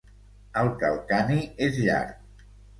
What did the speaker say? El calcani és llarg.